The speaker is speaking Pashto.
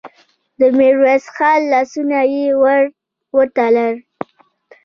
د ميرويس خان لاسونه يې ور وتړل.